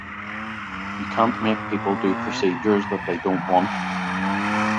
You can't make people do procedures that they don't want.